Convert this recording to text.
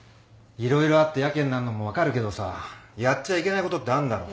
色々あってやけになるのも分かるけどさやっちゃいけないことってあんだろ。